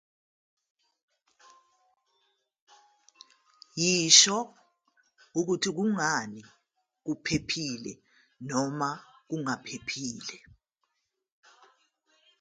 Yisho ukuthi kungani kuphephile noma kungaphephile.